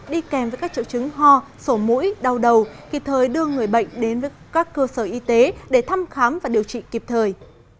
đi kèm với các triệu chứng ho sổ mũi đau đầu kịp thời đưa người bệnh đến các cơ sở y tế để thăm khám và điều trị kịp thời